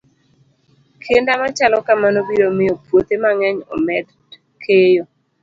Kinda machalo kamano biro miyo puothe mang'eny omed keyo.